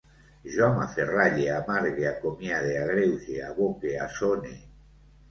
Jo m'aferralle, amargue, acomiade, agreuge, aboque, assone